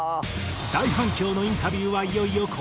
大反響のインタビューはいよいよ後半戦。